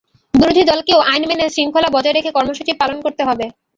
বিরোধী দলকেও আইন মেনে শৃঙ্খলা বজায় রেখে কর্মসূচি পালন করতে হবে।